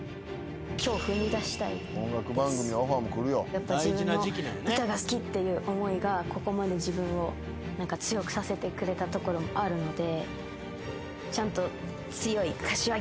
やっぱ自分の歌が好きっていう思いがここまで自分を強くさせてくれたところもあるので。